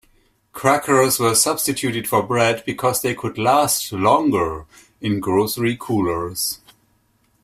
Crackers were substituted for bread because they could last longer in grocery coolers.